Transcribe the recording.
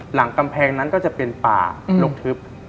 หลังกำแพงนั้นก็จะเป็นป่าลงทึบ